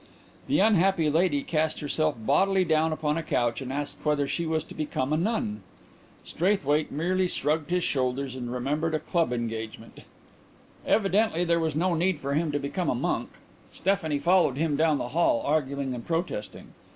The unhappy lady cast herself bodily down upon a couch and asked whether she was to become a nun. Straithwaite merely shrugged his shoulders and remembered a club engagement. Evidently there was no need for him to become a monk: Stephanie followed him down the hall, arguing and protesting.